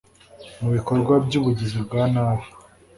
mu bikorwa by'ubugizi bwa nabi